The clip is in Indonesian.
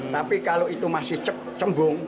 tapi kalau itu masih cenggung